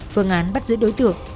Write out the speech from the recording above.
phương án bắt giữ đối tượng